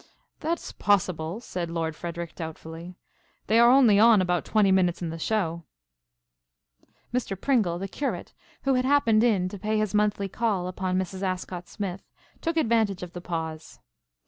"That is possible," said Lord Frederic doubtfully. "They are only on about twenty minutes in the show." Mr. Pringle, the curate, who had happened in to pay his monthly call upon Mrs. Ascott Smith, took advantage of the pause.